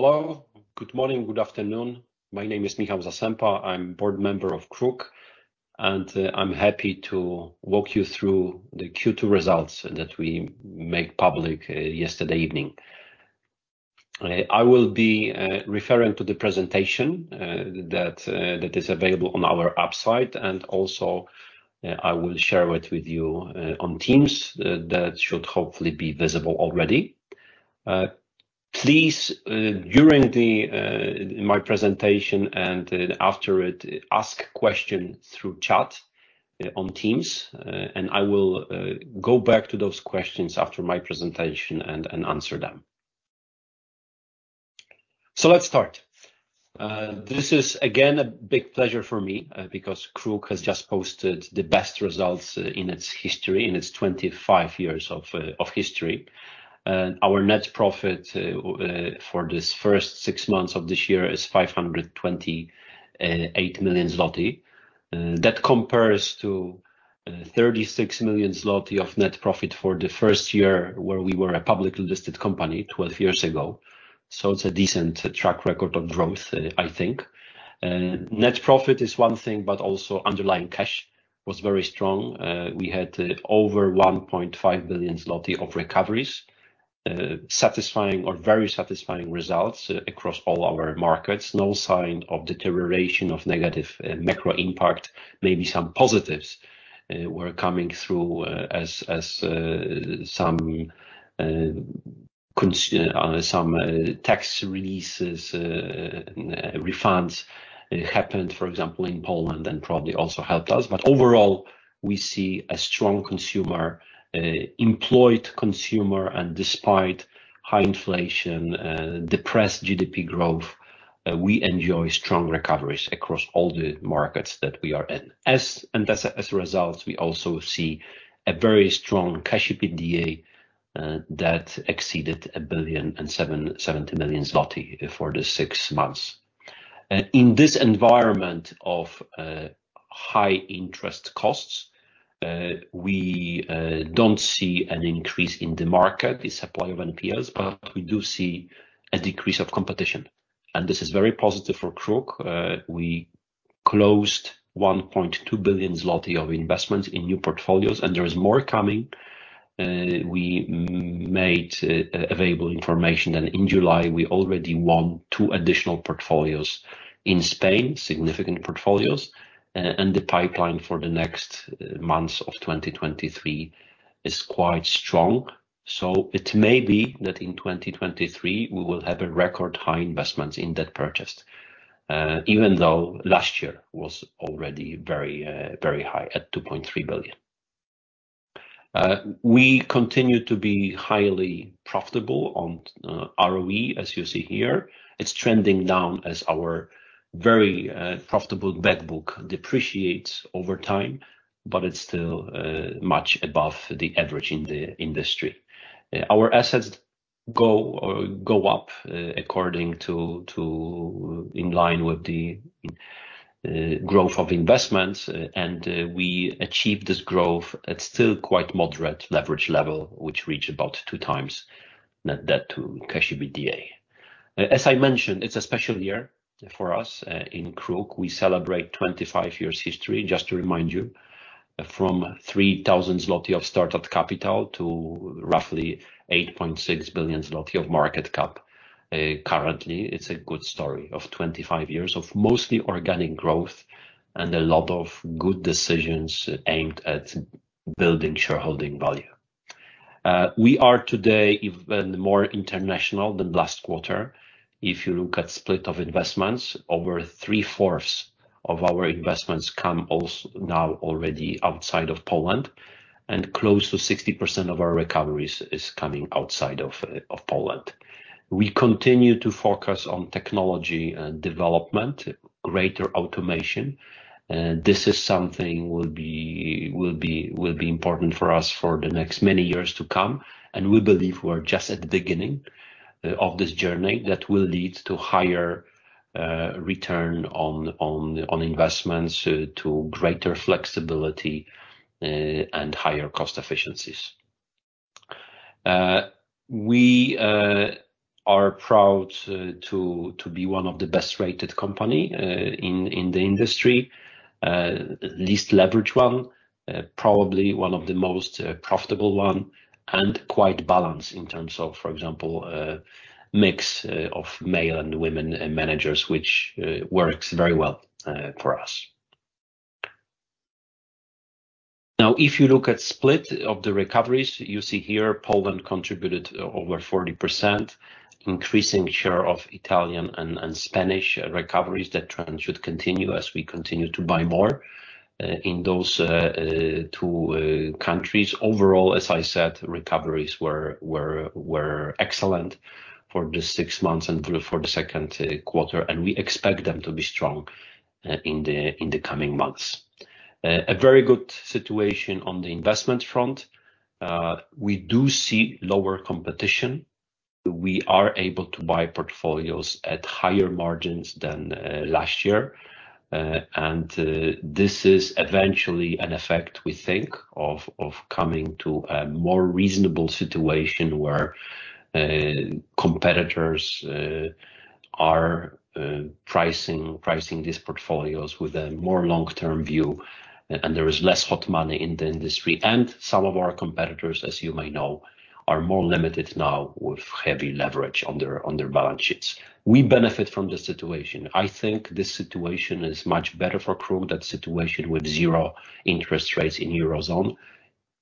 Hello, good morning, good afternoon. My name is Michał Zasępa. I'm Board Member of KRUK, and I'm happy to walk you through the Q2 results that we made public yesterday evening. I will be referring to the presentation that that is available on our upside, and also, I will share it with you on Teams. That should hopefully be visible already. Please, during the my presentation and after it, ask question through chat on Teams, and I will go back to those questions after my presentation and, and answer them. Let's start. This is again, a big pleasure for me, because KRUK has just posted the best results in its history, in its 25 years of history. Our net profit for this first six months of this year is 528 million zloty. That compares to 36 million zloty of net profit for the first year, where we were a publicly listed company 12 years ago. It's a decent track record of growth, I think. Net profit is one thing, but also underlying cash was very strong. We had over 1.5 billion zloty of recoveries, satisfying or very satisfying results across all our markets. No sign of deterioration of negative macro impact. Maybe some positives were coming through as, as some tax releases, refunds happened, for example, in Poland, and probably also helped us. Overall, we see a strong consumer, employed consumer. Despite high inflation, depressed GDP growth, we enjoy strong recoveries across all the markets that we are in. As a result, we also see a very strong cash EBITDA that exceeded 1.07 billion for the six months. In this environment of high interest costs, we don't see an increase in the market, the supply of NPLs, but we do see a decrease of competition, and this is very positive for KRUK. We closed 1.2 billion zloty of investments in new portfolios, and there is more coming. We made available information, and in July, we already won two additional portfolios in Spain, significant portfolios, and the pipeline for the next months of 2023 is quite strong. It may be that in 2023, we will have a record high investments in debt purchased, even though last year was already very, very high at 2.3 billion. We continue to be highly profitable on ROE, as you see here. It's trending down as our very profitable bad book depreciates over time, but it's still much above the average in the industry. Our assets go up according to, in line with the growth of investments, and we achieved this growth at still quite moderate leverage level, which reached about 2x net debt to cash EBITDA. As I mentioned, it's a special year for us. In KRUK, we celebrate 25 years history. Just to remind you, from 3,000 zloty of startup capital to roughly 8.6 billion zloty of market cap. Currently, it's a good story of 25 years of mostly organic growth and a lot of good decisions aimed at building shareholding value. We are today even more international than last quarter. If you look at split of investments, over 3/4 of our investments come also now already outside of Poland, and close to 60% of our recoveries is coming outside of Poland. We continue to focus on technology and development, greater automation, and this is something will be important for us for the next many years to come, and we believe we're just at the beginning of this journey that will lead to higher return on investments, to greater flexibility, and higher cost efficiencies. We are proud to, to be one of the best-rated company in, in the industry. Least leveraged one, probably one of the most profitable one, and quite balanced in terms of, for example, mix of male and women managers, which works very well for us. Now, if you look at split of the recoveries, you see here, Poland contributed over 40%, increasing share of Italian and, and Spanish recoveries. That trend should continue as we continue to buy more in those two countries. Overall, as I said, recoveries were, were, were excellent for the 6 months and for the 2nd quarter, and we expect them to be strong in the coming months. A very good situation on the investment front. We do see lower competition. We are able to buy portfolios at higher margins than last year. This is eventually an effect we think of, of coming to a more reasonable situation, where competitors are pricing, pricing these portfolios with a more long-term view, and there is less hot money in the industry. Some of our competitors, as you may know, are more limited now with heavy leverage on their, on their balance sheets. We benefit from the situation. I think this situation is much better for KRUK, that situation with zero interest rates in Eurozone,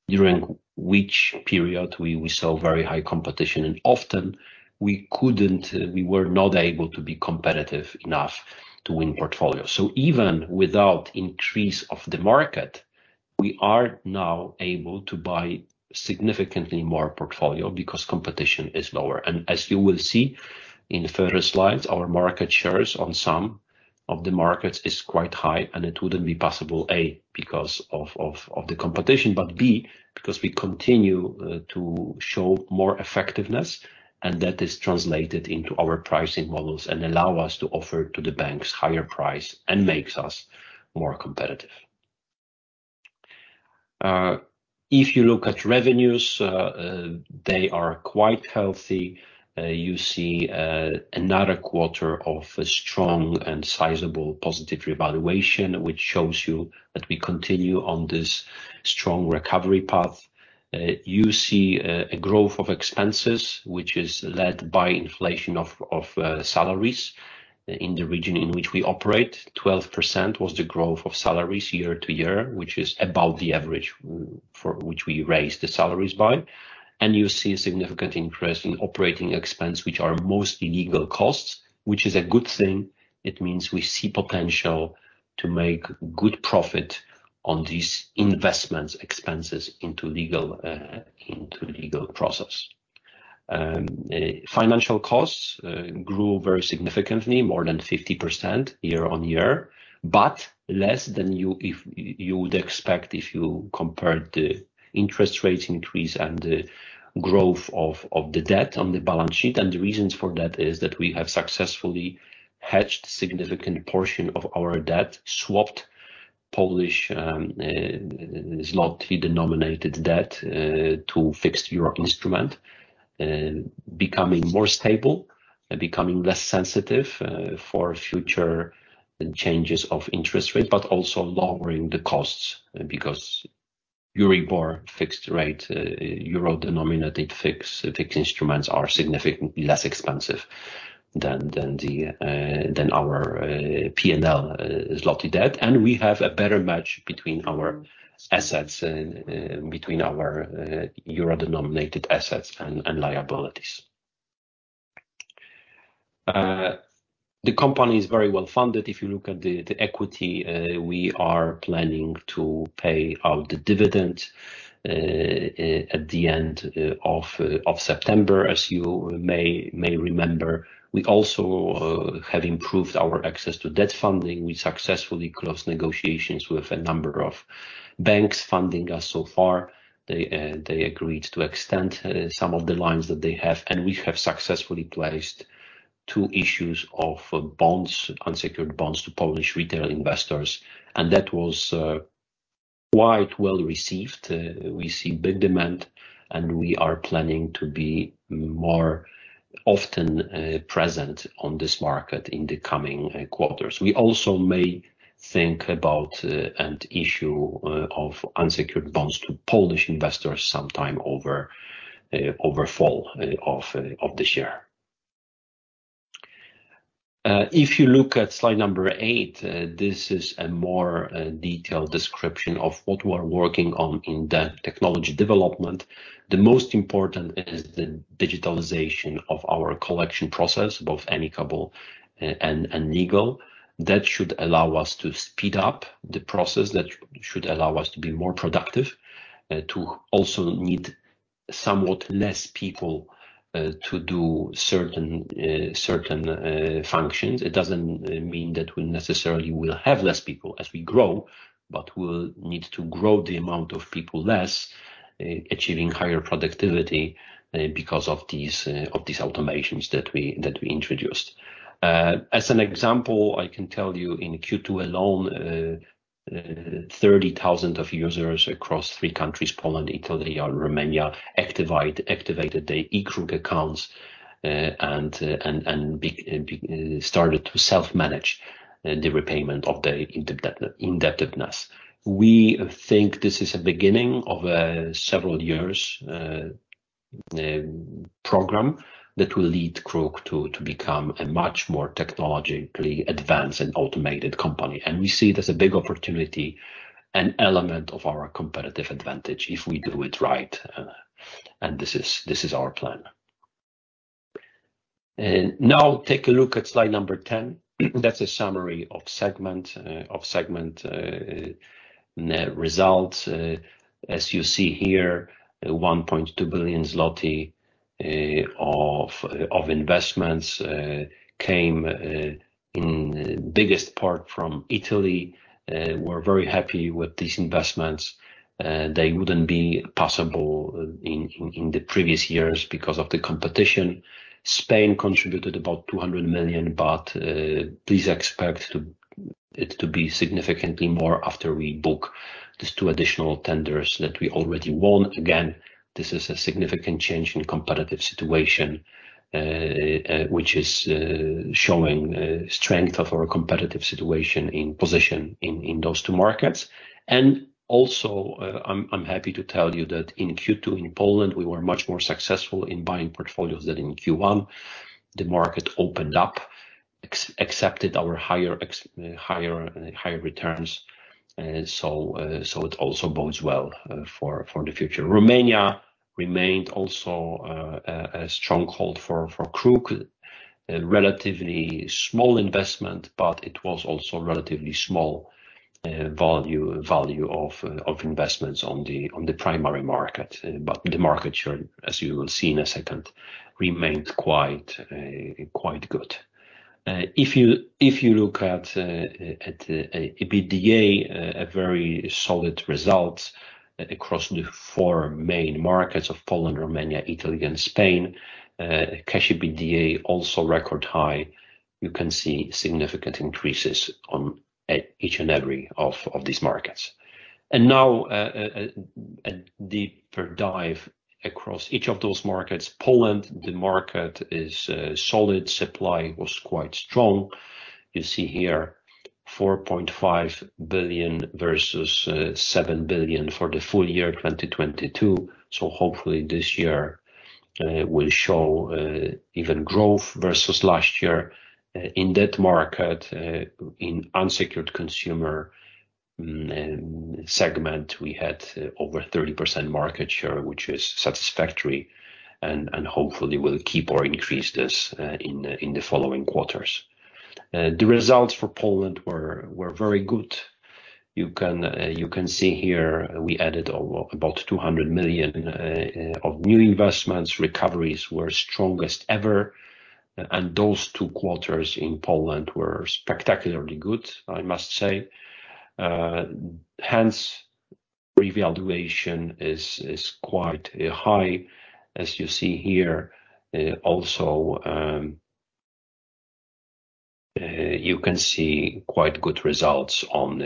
during which period we, we saw very high competition, and often we couldn't, we were not able to be competitive enough to win portfolio. Even without increase of the market, we are now able to buy significantly more portfolio because competition is lower. As you will see in further slides, our market shares on some of the markets is quite high, and it wouldn't be possible, A, because of, of, of the competition, but B, because we continue to show more effectiveness, and that is translated into our pricing models and allow us to offer to the banks higher price and makes us more competitive. If you look at revenues, they are quite healthy. You see another quarter of a strong and sizable positive revaluation, which shows you that we continue on this strong recovery path. You see a growth of expenses, which is led by inflation of, of, salaries in the region in which we operate. 12% was the growth of salaries year-to-year, which is about the average for which we raised the salaries by, and you see a significant increase in operating expense, which are mostly legal costs, which is a good thing. It means we see potential to make good profit on these investments, expenses into legal, into legal process. Financial costs grew very significantly, more than 50% year-on-year, but less than you if you would expect if you compared the interest rate increase and the growth of, of the debt on the balance sheet. The reasons for that is that we have successfully hedged significant portion of our debt, swapped Polish złoty-denominated debt to fixed euro instrument, becoming more stable and becoming less sensitive for future changes of interest rate, but also lowering the costs because Euribor fixed rate euro-denominated fixed instruments are significantly less expensive than our PLN złoty debt. We have a better match between our assets and between our euro-denominated assets and liabilities. The company is very well-funded. If you look at the equity, we are planning to pay out the dividend at the end of September, as you may remember. We also have improved our access to debt funding. We successfully closed negotiations with a number of banks funding us so far. They agreed to extend some of the lines that they have, and we have successfully placed two issues of bonds, unsecured bonds to Polish retail investors, and that was quite well-received. We see big demand, and we are planning to be more often present on this market in the coming quarters. We also may think about an issue of unsecured bonds to Polish investors sometime over over fall of this year. If you look at slide number eight, this is a more detailed description of what we are working on in the technology development. The most important is the digitalization of our collection process, both amicable and legal. That should allow us to speed up the process, that should allow us to be more productive, to also need somewhat less people, to do certain, certain, functions. It doesn't mean that we necessarily will have less people as we grow, but we'll need to grow the amount of people less, achieving higher productivity, because of these, of these automations that we, that we introduced. As an example, I can tell you, in Q2 alone, 30,000 of users across three countries, Poland, Italy, or Romania, activated their e-KRUK accounts, and started to self-manage the repayment of their indebtedness. We think this is a beginning of a several years program that will lead KRUK to become a much more technologically advanced and automated company. We see it as a big opportunity, an element of our competitive advantage if we do it right, and this is, this is our plan. Now take a look at slide number 10. That's a summary of segment results. As you see here, 1.2 billion zloty of investments came in the biggest part from Italy, we're very happy with these investments. They wouldn't be possible in, in, in the previous years because of the competition. Spain contributed about PLN 200 million, but, please expect it to be significantly more after we book these two additional tenders that we already won. Again, this is a significant change in competitive situation, which is, showing strength of our competitive situation in position in, in those two markets. Also, I'm, I'm happy to tell you that in Q2, in Poland, we were much more successful in buying portfolios than in Q1. The market opened up, accepted our higher, higher returns. So, so it also bodes well for, for the future. Romania remained also a, a stronghold for, for KRUK, a relatively small investment, but it was also relatively small value, value of, of investments on the, on the primary market. The market share, as you will see in a second, remained quite good. If you, if you look at, at EBITDA, a very solid result across the four main markets of Poland, Romania, Italy and Spain, cash EBITDA, also record high. You can see significant increases on each and every of, of these markets. Now, a deeper dive across each of those markets. Poland, the market is solid. Supply was quite strong. You see here, 4.5 billion versus 7 billion for the full year, 2022. Hopefully, this year will show even growth versus last year. In that market, in unsecured consumer segment, we had over 30% market share, which is satisfactory, and hopefully, we'll keep or increase this in the following quarters. The results for Poland were very good. You can see here, we added about 200 million of new investments. Recoveries were strongest ever, and those two quarters in Poland were spectacularly good, I must say. Hence, revaluation is quite high, as you see here. Also, you can see quite good results on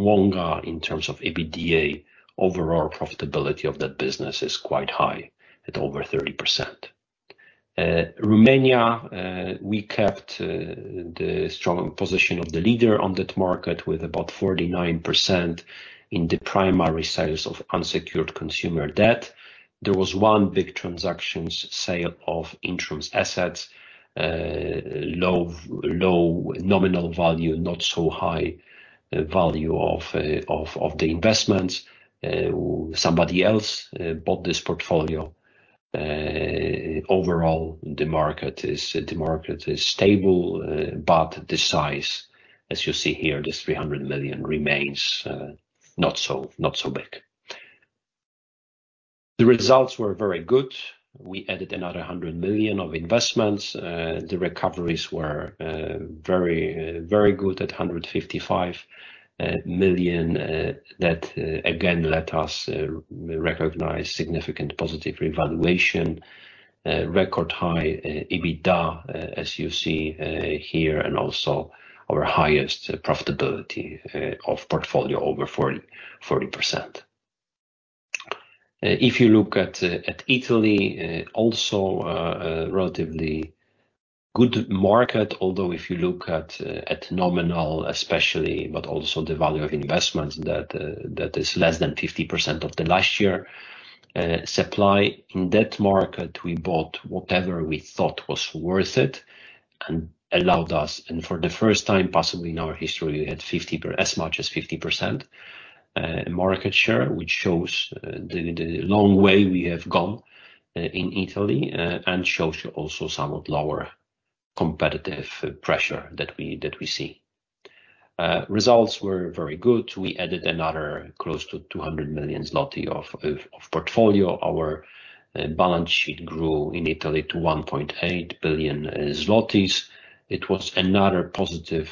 Wonga in terms of EBITDA. Overall profitability of that business is quite high, at over 30%. Romania, we kept the strong position of the leader on that market, with about 49% in the primary sales of unsecured consumer debt. There was one big transactions sale of Intrum's assets, low nominal value, not so high value of the investments. Somebody else bought this portfolio. Overall, the market is, the market is stable, but the size, as you see here, this 300 million remains not so, not so big. The results were very good. We added another 100 million of investments. The recoveries were very, very good at 155 million. That again, let us recognize significant positive revaluation, record high EBITDA, as you see here, and also our highest profitability of portfolio, over 40, 40%. If you look at Italy, also a relatively good market, although if you look at nominal especially, but also the value of investment, that is less than 50% of the last year. Supply in that market, we bought whatever we thought was worth it and allowed us, and for the first time, possibly in our history, we had 50, as much as 50% market share, which shows the long way we have gone in Italy, and shows also some of lower competitive pressure that we, that we see. Results were very good. We added another close to 200 million zloty of, of, of portfolio. Our balance sheet grew in Italy to 1.8 billion zlotys. It was another positive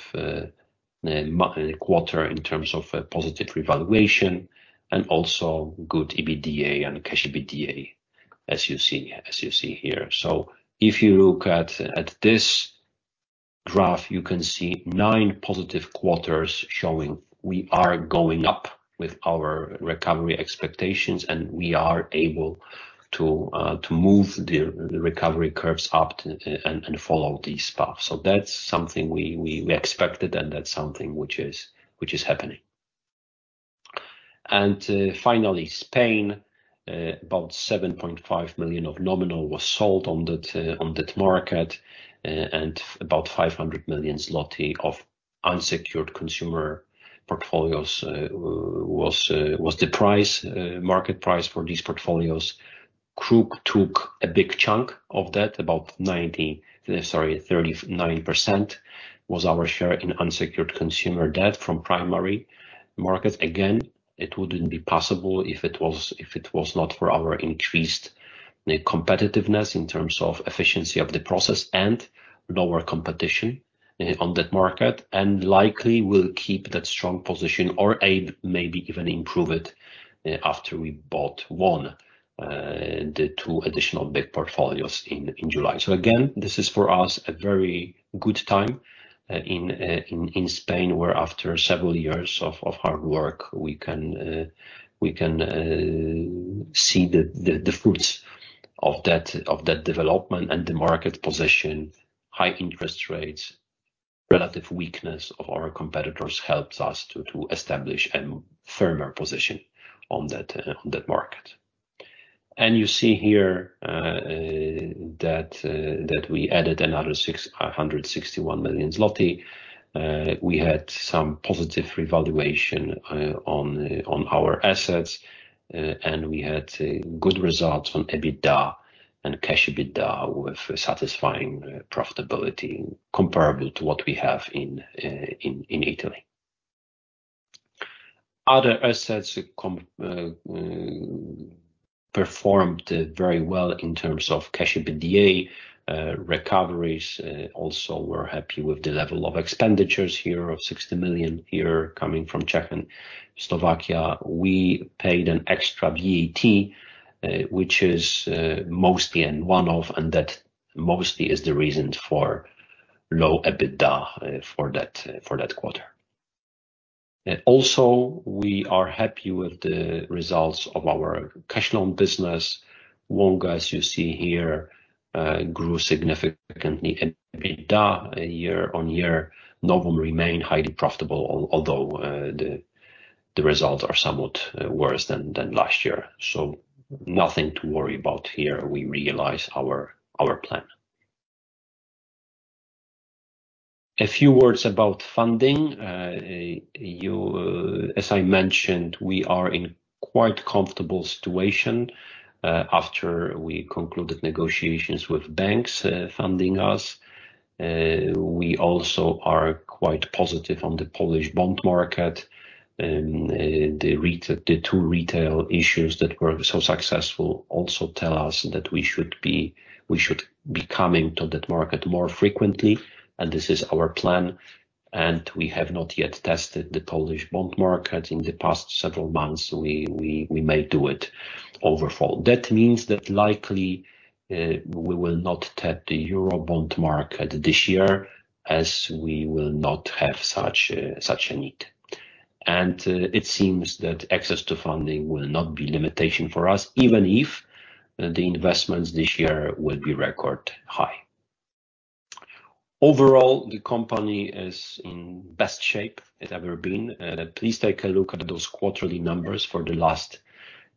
quarter in terms of a positive revaluation and also good EBITDA and cash EBITDA, as you see, as you see here. If you look at, at this graph, you can see nine positive quarters showing we are going up with our recovery expectations, and we are able to move the, the recovery curves up and, and follow this path. That's something we, we, we expected, and that's something which is, which is happening. Finally, Spain. About 7.5 million of nominal was sold on that market, and about 500 million zloty of unsecured consumer portfolios was the market price for these portfolios. KRUK took a big chunk of that. 39% was our share in unsecured consumer debt from primary markets. Again, it wouldn't be possible if it was not for our increased competitiveness in terms of efficiency of the process and lower competition on that market, and likely will keep that strong position or maybe even improve it after we bought the two additional big portfolios in July. Again, this is for us, a very good time in Spain, where after several years of hard work, we can see the fruits of that development and the market position. High interest rates, relative weakness of our competitors helps us to establish a firmer position on that market. You see here that we added another 661 million zloty. We had some positive revaluation on our assets and we had good results on EBITDA and cash EBITDA, with satisfying profitability comparable to what we have in Italy. Other assets com performed very well in terms of cash EBITDA recoveries. Also, we're happy with the level of expenditures here of 60 million here coming from Czech and Slovakia. We paid an extra VAT, which is mostly in one-off, and that mostly is the reason for low EBITDA for that, for that quarter. Also, we are happy with the results of our cash loan business. Loan, as you see here, grew significantly, and EBITDA year-over-year, Novum remain highly profitable, although the results are somewhat worse than last year. Nothing to worry about here. We realize our plan. A few words about funding. You, as I mentioned, we are in quite comfortable situation after we concluded negotiations with banks funding us. We also are quite positive on the Polish bond market, and the retail, the two retail issues that were so successful also tell us that we should be, we should be coming to that market more frequently, and this is our plan, and we have not yet tested the Polish bond market in the past several months. We may do it over fall. That means that likely, we will not tap the Euro bond market this year, as we will not have such a need. It seems that access to funding will not be limitation for us, even if the investments this year will be record high. Overall, the company is in best shape it ever been. Please take a look at those quarterly numbers for the last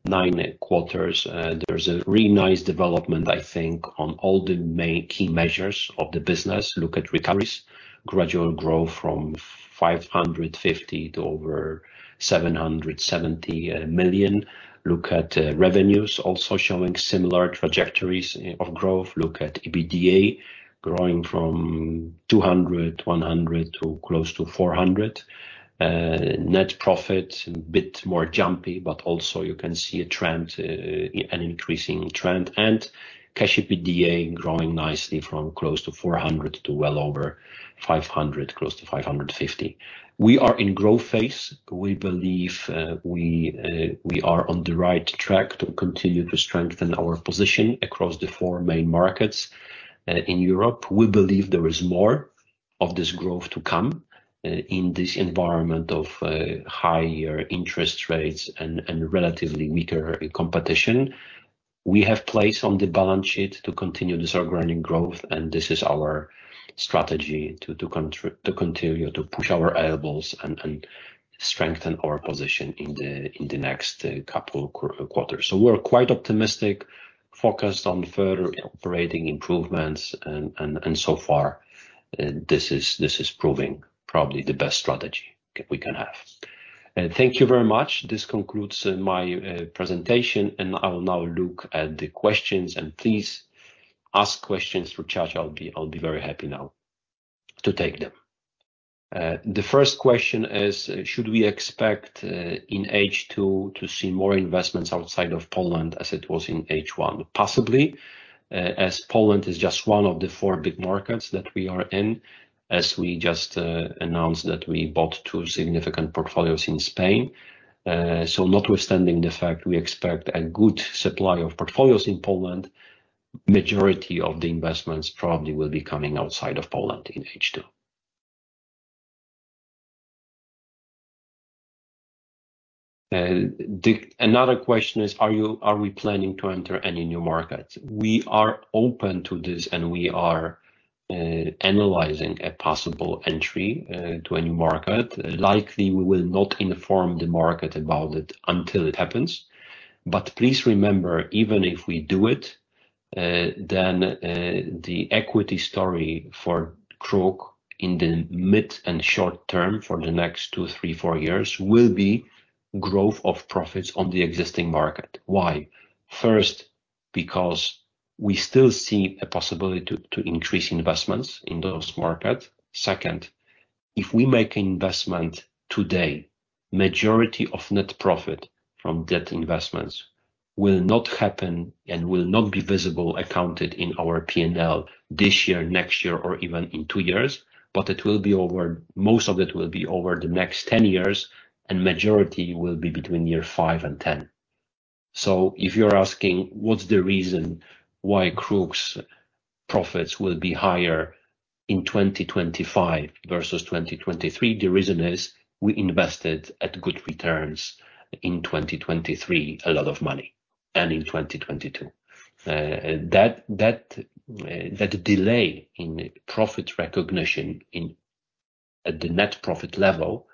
nine quarters. There's a really nice development, I think, on all the main key measures of the business. Look at recoveries, gradual growth from 550 to over 770 million. Look at revenues, also showing similar trajectories of growth. Look at EBITDA, growing from 200, 100 to close to 400. Net profit, a bit more jumpy, but also you can see a trend, an increasing trend, and cash EBITDA growing nicely from close to 400 to well over 500, close to 550. We are in growth phase. We believe, we, we are on the right track to continue to strengthen our position across the four main markets. In Europe, we believe there is more of this growth to come in this environment of higher interest rates and relatively weaker competition. We have place on the balance sheet to continue this organic growth. This is our strategy to continue to push our elbows and strengthen our position in the next couple quarters. We're quite optimistic, focused on further operating improvements, and so far, this is proving probably the best strategy we can have. Thank you very much. This concludes my presentation, and I will now look at the questions, and please ask questions through chat. I'll be very happy now to take them. The first question is, should we expect in H2 to see more investments outside of Poland as it was in H1? Possibly, as Poland is just one of the four big markets that we are in, as we just announced that we bought two significant portfolios in Spain. Notwithstanding the fact, we expect a good supply of portfolios in Poland, majority of the investments probably will be coming outside of Poland in H2. Another question is, are we planning to enter any new markets? We are open to this, and we are analyzing a possible entry to a new market. Likely, we will not inform the market about it until it happens. Please remember, even if we do it, then, the equity story for KRUK in the mid and short term, for the next two, three, four years, will be growth of profits on the existing market. Why? First, because we still see a possibility to, to increase investments in those markets. Second, if we make investment today, majority of net profit from that investments will not happen and will not be visible accounted in our P&L this year, next year, or even in two years, but it will be over, most of it will be over the next 10 years, and majority will be between year five and ten. If you're asking, what's the reason why KRUK's profits will be higher in 2025 versus 2023? The reason is, we invested at good returns in 2023, a lot of money, and in 2022. That, that, that delay in profit recognition in, at the net profit level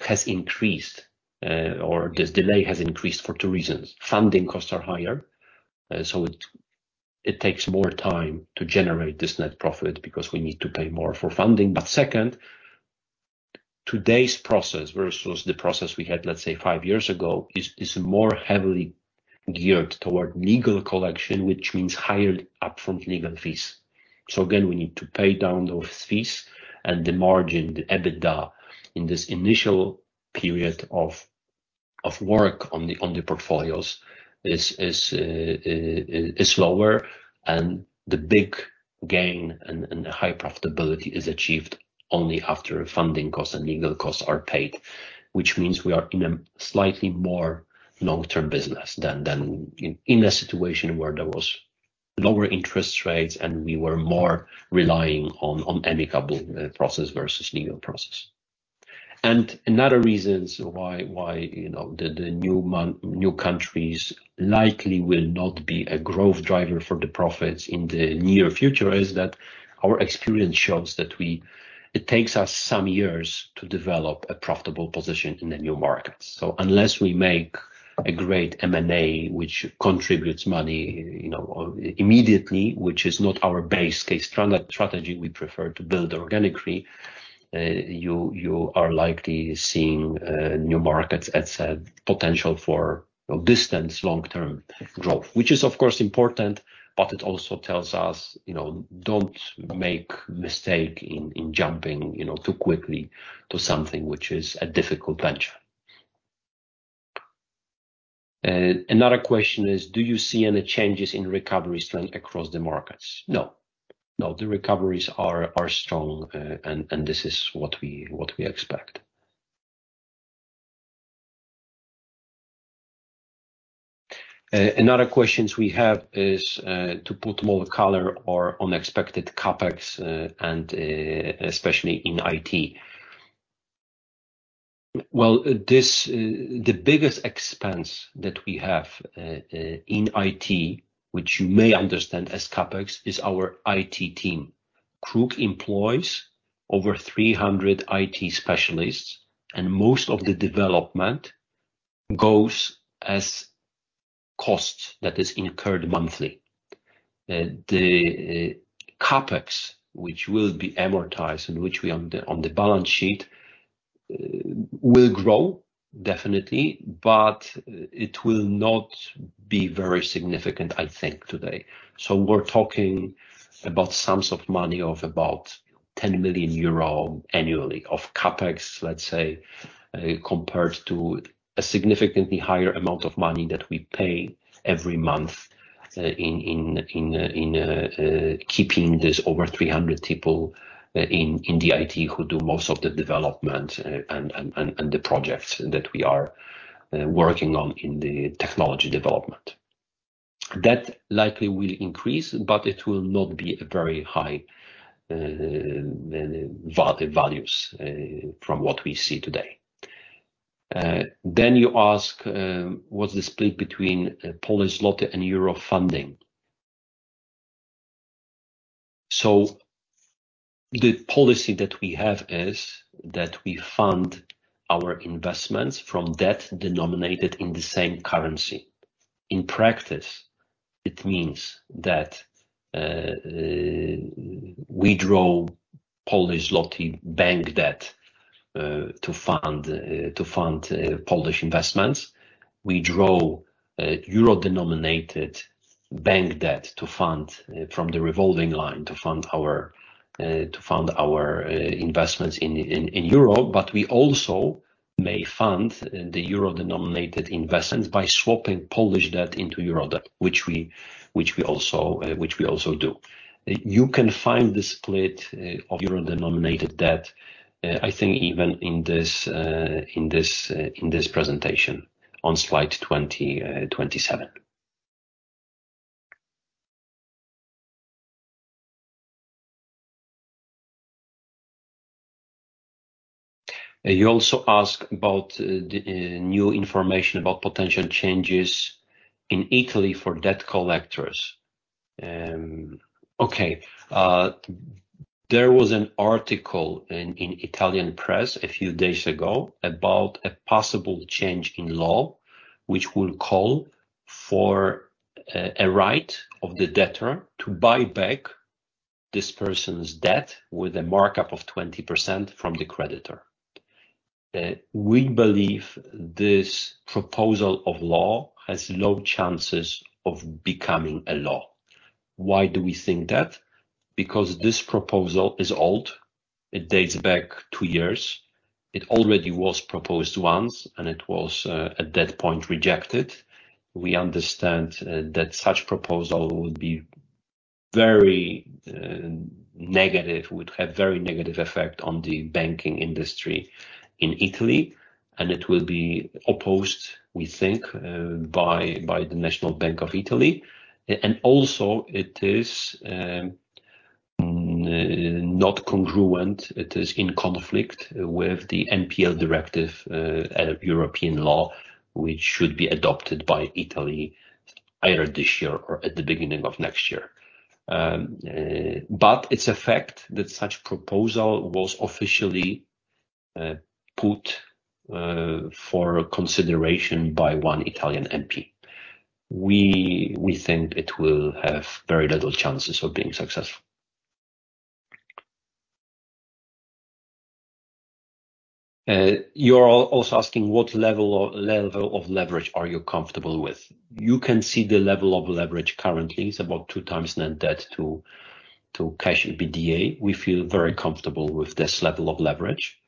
has increased, or this delay has increased for two reasons. Funding costs are higher, so it, it takes more time to generate this net profit because we need to pay more for funding. Second, today's process versus the process we had, let's say, five years ago, is, is more heavily geared toward legal collection, which means higher upfront legal fees. Again, we need to pay down those fees and the margin, the EBITDA, in this initial period of, of work on the, on the portfolios is, is, is lower, and the big gain and, and the high profitability is achieved only after funding costs and legal costs are paid, which means we are in a slightly more long-term business than, than in, in a situation where there was lower interest rates, and we were more relying on, on amicable process versus legal process. Another reasons why, why, you know, the, the new countries likely will not be a growth driver for the profits in the near future, is that our experience shows that it takes us some years to develop a profitable position in the new markets. Unless we make a great M&A, which contributes money, you know, immediately, which is not our base case strategy, we prefer to build organically, you are likely seeing new markets as a potential for distance, long-term growth, which is, of course, important, but it also tells us, you know, don't make mistake in, in jumping, you know, too quickly to something which is a difficult venture. Another question is, do you see any changes in recovery strength across the markets? No. No, the recoveries are strong, and this is what we expect. Another questions we have is to put more color or unexpected CapEx, and especially in IT. Well, this, the biggest expense that we have in IT, which you may understand as CapEx, is our IT team. KRUK employs over 300 IT specialists, and most of the development goes as costs that is incurred monthly. The CapEx, which will be amortized and which we on the balance sheet, will grow, definitely, but it will not be very significant, I think, today. We're talking about sums of money of about 10 million euro annually of CapEx, let's say, compared to a significantly higher amount of money that we pay every month, in keeping this over 300 people, in the IT who do most of the development, and the projects that we are, working on in the technology development. That likely will increase, but it will not be a very high, values, from what we see today. You ask, what's the split between Polish złoty and Euro funding? The policy that we have is that we fund our investments from debt denominated in the same currency. In practice, it means that we draw Polish złoty bank debt to fund Polish investments. We draw Euro-denominated bank debt to fund from the revolving line, to fund our investments in Europe, but we also may fund the Euro-denominated investments by swapping Polish debt into Euro debt, which we which we also do. You can find the split of Euro-denominated debt, I think even in this presentation on slide 27. You also ask about the new information about potential changes in Italy for debt collectors. There was an article in Italian press a few days ago about a possible change in law, which will call for a right of the debtor to buy back this person's debt with a markup of 20% from the creditor. We believe this proposal of law has low chances of becoming a law. Why do we think that? Because this proposal is old. It dates back two years. It already was proposed once, and it was at that point, rejected. We understand that such proposal would be very negative, would have very negative effect on the banking industry in Italy, and it will be opposed, we think, by the Bank of Italy. Also it is not congruent, it is in conflict with the NPL Directive, a European law, which should be adopted by Italy either this year or at the beginning of next year. It's a fact that such proposal was officially put for consideration by one Italian MP. We, we think it will have very little chances of being successful. You're also asking, what level or level of leverage are you comfortable with? You can see the level of leverage currently is about two times net debt to cash EBITDA. We feel very comfortable with this level of leverage.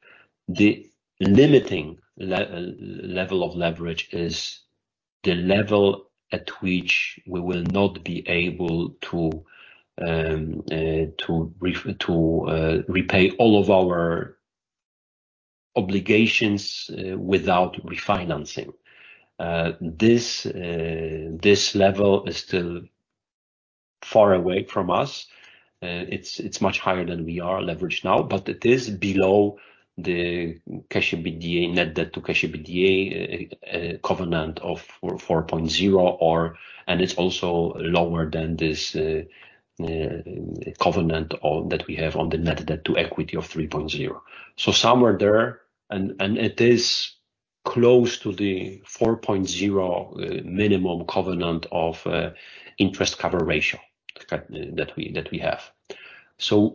The limiting level of leverage is the level at which we will not be able to repay all of our obligations without refinancing. This level is still far away from us. It's much higher than we are leveraged now, but it is below the cash EBITDA, net debt to cash EBITDA covenant of 4.0, and it's also lower than this covenant that we have on the net debt to equity of 3.0. Somewhere there, and it is close to the 4.0 minimum covenant of interest cover ratio that we have.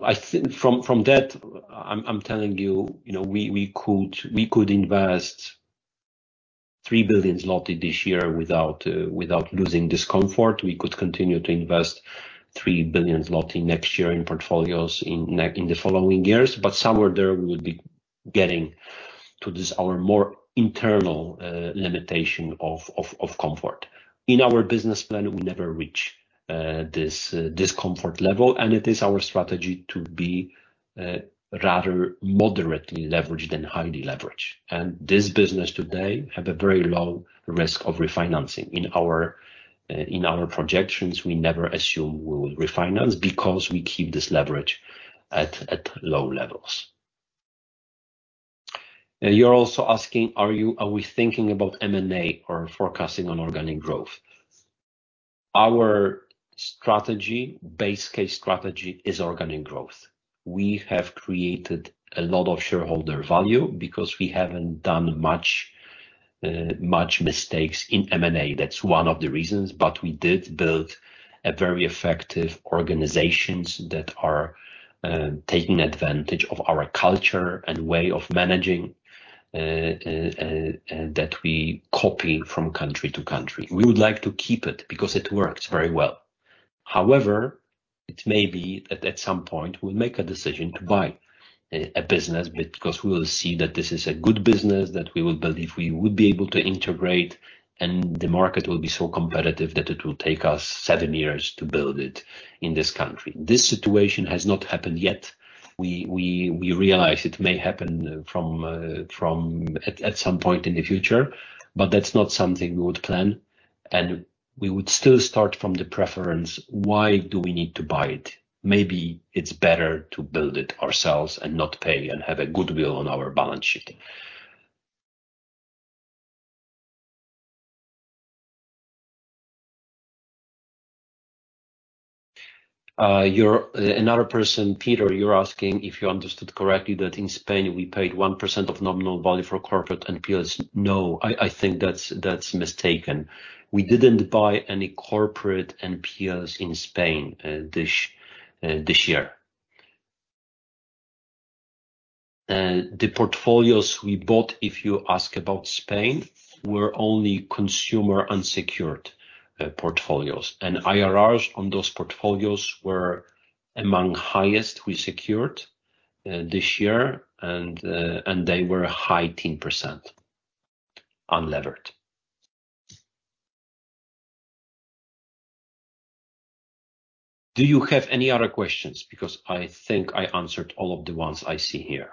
I think from that, I'm telling you, you know, we could invest 3 billion zloty this year without losing this comfort. We could continue to invest 3 billion zloty next year in portfolios in the following years, but somewhere there, we would be getting to this, our more internal limitation of comfort. In our business plan, we never reach this comfort level, and it is our strategy to be rather moderately leveraged than highly leveraged. This business today have a very low risk of refinancing. In our in our projections, we never assume we will refinance because we keep this leverage at low levels. You're also asking, are we thinking about M&A or forecasting on organic growth? Our strategy, base case strategy, is organic growth. We have created a lot of shareholder value because we haven't done much mistakes in M&A. That's one of the reasons, but we did build a very effective organizations that are taking advantage of our culture and way of managing that we copy from country to country. We would like to keep it because it works very well. However, it may be that at some point we'll make a decision to buy a business, because we will see that this is a good business, that we will believe we would be able to integrate, and the market will be so competitive that it will take us seven years to build it in this country. This situation has not happened yet. We realize it may happen at some point in the future, but that's not something we would plan, and we would still start from the preference, why do we need to buy it? Maybe it's better to build it ourselves and not pay and have a goodwill on our balance sheet. Another person, Piotr, you're asking if you understood correctly that in Spain, we paid 1% of nominal value for corporate NPLs. No, I, I think that's, that's mistaken. We didn't buy any corporate NPLs in Spain this year. The portfolios we bought, if you ask about Spain, were only consumer unsecured portfolios, and IRRs on those portfolios were among highest we secured this year, and they were a high teen % unlevered. Do you have any other questions? Because I think I answered all of the ones I see here.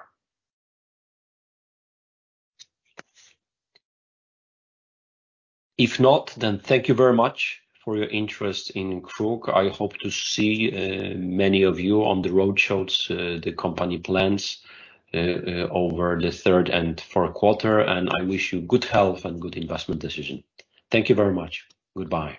If not, then thank you very much for your interest in KRUK. I hope to see many of you on the roadshows, the company plans over the third and fourth quarter, and I wish you good health and good investment decision. Thank you very much. Goodbye.